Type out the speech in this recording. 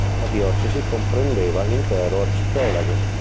La diocesi comprendeva l'intero arcipelago.